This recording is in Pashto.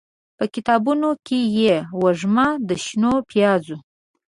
به کتابونوکې یې، وږم د شنو پیازو